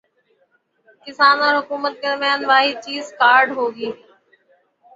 کسان اور حکومت کے درمیان واحد چیز کارڈ ہوگی